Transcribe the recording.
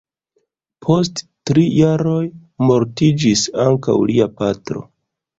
Post tri jaroj mortiĝis ankaŭ lia patro.